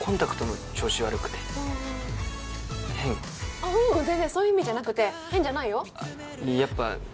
あっいやううん全然そういう意味じゃなくて変じゃないよえっ？